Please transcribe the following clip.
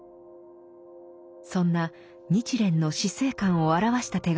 そんな日蓮の死生観を表した手紙があります。